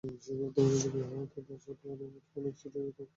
সে গুরুত্বপূর্ণ দেবী হওয়াতে তার সাথে আরো অনেক ছোট ছোট দেবী ছিল।